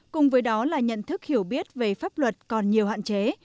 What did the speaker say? cùng với đó là nhận thức hiểu biết về pháp luật còn nhiều hạn chế